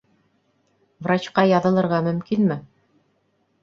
Врачҡа яҙылырға мөмкинме?